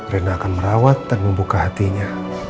renda akan merawat dan membuka hatinya